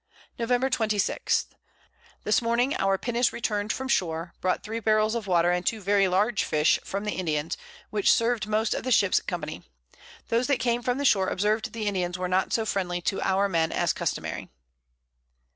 Nov. 26. This Morning our Pinnace return'd from Shore, brought 3 Barrels of Water, and 2 very large Fish from the Indians, which serv'd most of the Ships Company. Those that came from the Shore observed the Indians were not so friendly to our Men as customary.